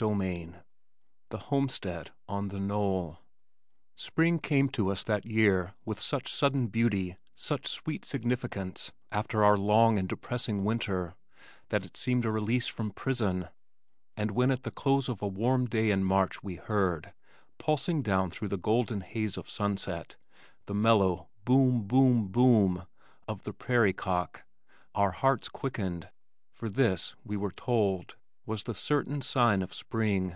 CHAPTER X The Homestead on the Knoll Spring came to us that year with such sudden beauty, such sweet significance after our long and depressing winter, that it seemed a release from prison, and when at the close of a warm day in March we heard, pulsing down through the golden haze of sunset, the mellow boom, boom, boom of the prairie cock our hearts quickened, for this, we were told, was the certain sign of spring.